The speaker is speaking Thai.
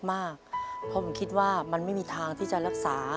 เพราะผมคิดว่ามันไม่มีทางที่จะรักษา